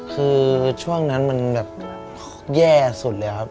คือช่วงนั้นมันแบบแย่สุดเลยครับ